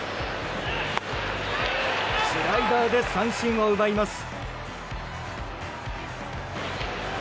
スライダーで三振を奪います。